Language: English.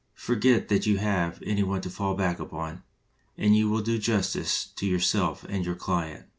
Forget that you have any one to fall back upon, and you will do justice to yourself and your client.'